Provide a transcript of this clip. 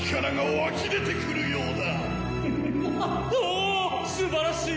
おすばらしい！